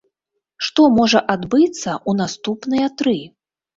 Што можа адбыцца ў наступныя тры?